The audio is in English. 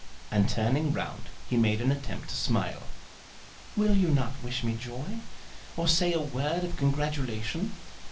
And turning round he made an attempt to smile. "Will you not wish me joy, or say a word of congratulation?